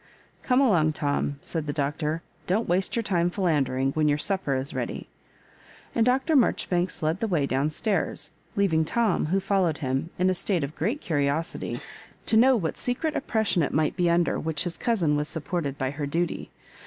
" Come along, €'om," said the Doctor. " Don't waste your time philandering when your supper is ready." And Dr. Marjoribanks led the way down stairs, leaving Tom, who followed him, in a state of great curiosity to know what secret op pression it might be under which his cousin was supported by her duty.